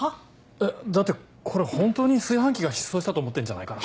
えっだってこれ本当に炊飯器が失踪したと思ってんじゃないかな？